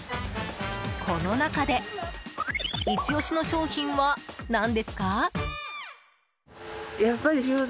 この中でイチオシの商品は何ですか？